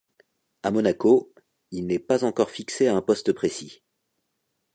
À Monaco, il n'est pas encore fixé à un poste précis.